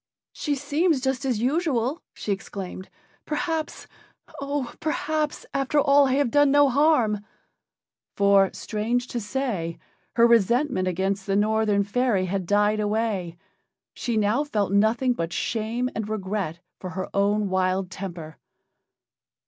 "She seems just as usual," she exclaimed. "Perhaps oh! perhaps after all I have done no harm." For, strange to say, her resentment against the Northern fairy had died away. She now felt nothing but shame and regret for her own wild temper.